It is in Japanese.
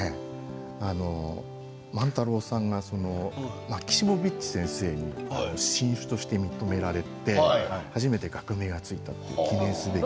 万太郎さんがマキシモヴィッチ先生に新種として認められて初めて学名が付いた記念すべき。